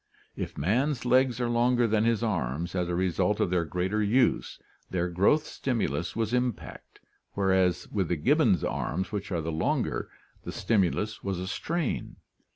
If man's legs are longer than his arms as a result of their greater use, their growth stimulus was impact, whereas with the gibbon's arms which are the longer the stimulus was a strain.